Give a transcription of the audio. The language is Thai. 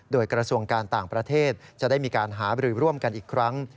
โดยกระทรวงการต่างประเทศจะได้มีการหาบรือร่วมกันอีกครั้ง